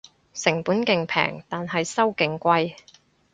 成本勁平但係收勁貴